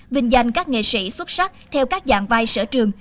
vinh danh các nghệ sĩ xuất sắc theo các dạng vai sở trường